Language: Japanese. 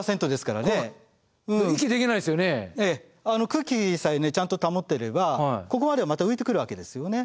空気さえちゃんと保ってればここまではまた浮いてくるわけですよね。